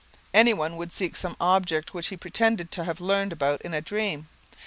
Each one would seek some object which he pretended to have learned about in a dream.